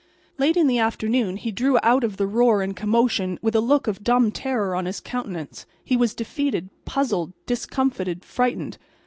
Late in the afternoon he drew out of the roar and commotion with a look of dumb terror on his countenance. He was defeated, puzzled, discomfited, frightened.